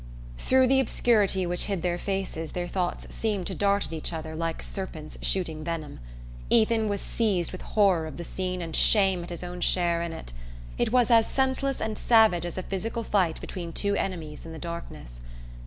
Through the obscurity which hid their faces their thoughts seemed to dart at each other like serpents shooting venom. Ethan was seized with horror of the scene and shame at his own share in it. It was as senseless and savage as a physical fight between two enemies in the darkness.